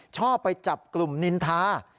ชอบไปจับกลุ่มนินทา